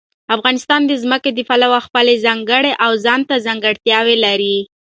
افغانستان د ځمکه د پلوه خپله ځانګړې او ځانته ځانګړتیا لري.